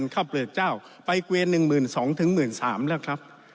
ข้าวเปลือกเจ้าไปเกวียน๑๒๐๐๑๓๐๐แล้วครับ